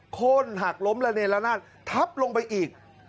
โค้นหักล้มระเนละนาดทับลงไปอีก